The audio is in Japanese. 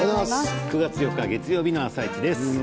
９月４日月曜日の「あさイチ」です。